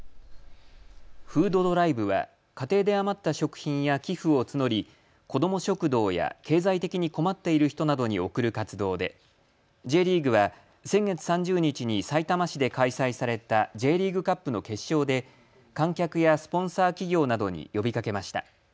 フードドライブは家庭で余った食品や寄付を募り子ども食堂や経済的に困っている人などに贈る活動でＪリーグは先月３０日にさいたま市で開催されたＪリーグカップの決勝で観客やスポンサー企業などに呼びかけました。